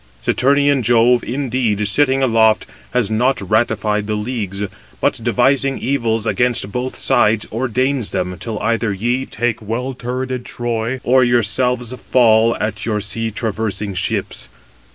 Saturnian Jove, indeed, sitting aloft, has not ratified the leagues, but devising evils against both sides, ordains them, till either ye take well turreted Troy, or yourselves fall at your sea traversing ships.